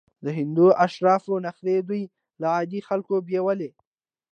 د هندو اشرافو نخرې دوی له عادي خلکو بېلول.